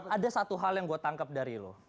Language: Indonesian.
ada satu hal yang gue tangkap dari lo